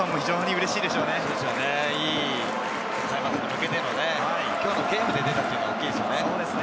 開幕に向けて、今日のゲームで出たのが大きいですよね。